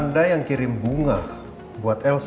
anda yang kirim bunga buat elsa